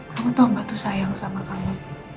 kamu tau gak tuh sayang sama saya